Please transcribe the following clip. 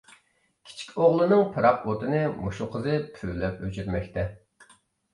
كىچىك ئوغلىنىڭ پىراق ئوتىنى مۇشۇ قىزى پۈۋلەپ ئۆچۈرمەكتە.